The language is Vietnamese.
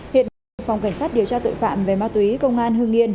hiện tại phòng cảnh sát điều tra tội phạm về ma túy công an hương yên